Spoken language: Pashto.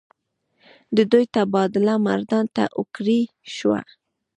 د دوي تبادله مردان ته اوکړے شوه ۔